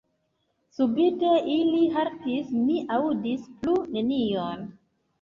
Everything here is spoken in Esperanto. Subite, ili haltis, mi aŭdis plu nenion.